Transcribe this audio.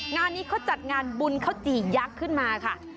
งานนี้เขาจัดงานบุญข้าวจี่ยักษ์ขึ้นมาค่ะ